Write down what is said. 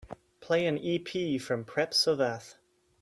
Play an ep from Preap Sovath.